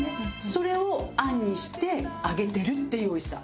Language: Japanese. それをあんにして揚げてるっていうおいしさ。